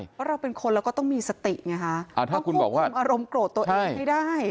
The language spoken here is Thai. เพราะเราเป็นคนแล้วก็ต้องมีสติไงฮะต้องควบคุมอารมณ์โกรธตัวเองให้ได้